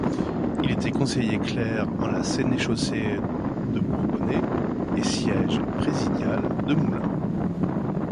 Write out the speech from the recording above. Il était conseiller clerc en la sénéchaussée de Bourbonnais et siège présidial de Moulins.